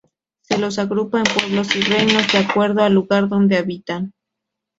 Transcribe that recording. Se los agrupa en pueblos y reinos, de acuerdo al lugar donde habitan.